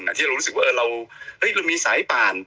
ที่เรารู้สึกว่าเรามีสายป่าน